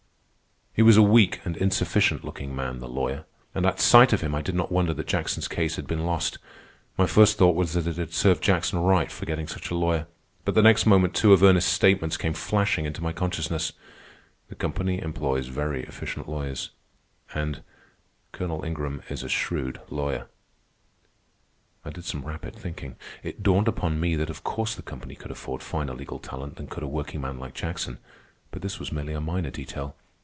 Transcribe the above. He was a weak and inefficient looking man, the lawyer, and at sight of him I did not wonder that Jackson's case had been lost. My first thought was that it had served Jackson right for getting such a lawyer. But the next moment two of Ernest's statements came flashing into my consciousness: "The company employs very efficient lawyers" and "Colonel Ingram is a shrewd lawyer." I did some rapid thinking. It dawned upon me that of course the company could afford finer legal talent than could a workingman like Jackson. But this was merely a minor detail.